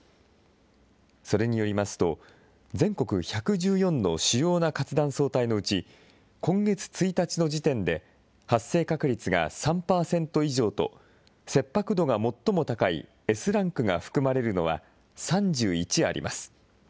それによりますと、全国１１４の主要な活断層帯のうち、今月１日の時点で発生確率が３％以上と、切迫度が最も高いＳランクが含まれるのは３１あります。